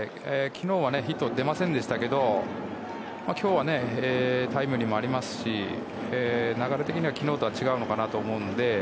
昨日はヒットが出ませんでしたけど今日はタイムリーもありますし流れ的には昨日とは違うのかなと思うので。